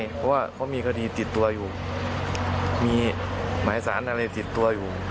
เพราะว่าเขามีคดีติดตัวอยู่มีหมายสารอะไรติดตัวอยู่